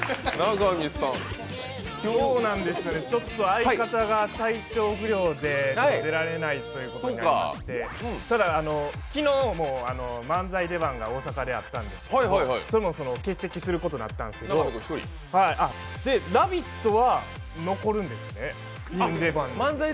相方が体調不良で出られないということでただ、昨日も漫才出番が大阪であったんですけれどもそれも欠席することになったんですけど、「ラヴィット！」は残るんですね、出番が。